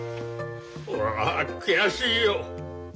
俺はくやしいよ。